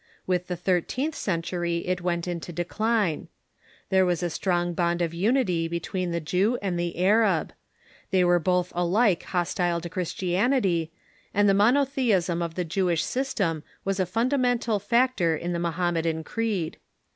With the thirteenth century it went into decline. There was or/hrArabs ^ Strong bond of unity between the Jew and the Arab. Tliey were both alike hostile to Christianity, and the monotheism of the Jewish S3'stem was a fundamental 172 THE MEDIAEVAL CHURCH factor in the Mohammedan creed.